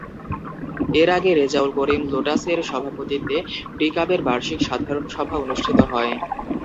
এর আগে রেজাউল করিম লোটাসের সভাপতিত্বে ডিকাবের বার্ষিক সাধারণ সভা অনুষ্ঠিত হয়।